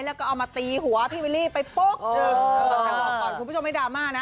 แล้วก็เอามาตีหัวพี่วิลลี่ไปปุ๊กเออเออคุณผู้ชมไม่ดราม่านะ